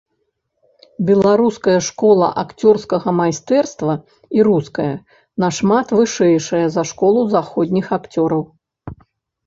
Беларуская школа акцёрскага майстэрства і руская нашмат вышэйшая за школу заходніх акцёраў.